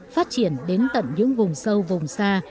phát triển đến tận những vùng sâu vùng xa